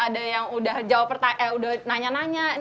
ada yang udah nanya nanya